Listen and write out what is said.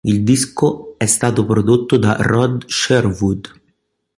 Il disco è stato prodotto da Rod Sherwood.